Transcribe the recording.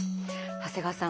長谷川さん